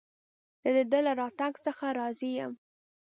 د ده له راتګ څخه راضي یم.